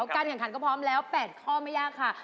การแข่งขันก็พร้อมแล้ว๘ข้อไม่ยากค่ะ